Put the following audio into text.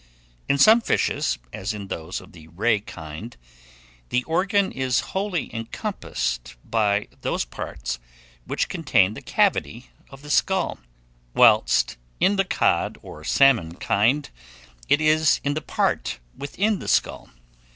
In some fishes, as in those of the ray kind, the organ is wholly encompassed by those parts which contain the cavity of the skull; whilst in the cod and salmon kind it is in the part within the skull.